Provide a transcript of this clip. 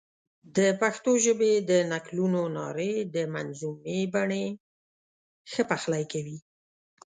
د پښتو ژبې د نکلونو نارې د منظومې بڼې ښه پخلی کوي.